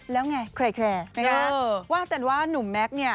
แล้วไงแคลร์นะคะว่าแต่ว่าหนุ่มแมค